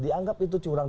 dianggap itu curang